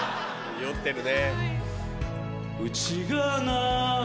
酔ってるね。